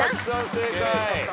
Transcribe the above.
正解。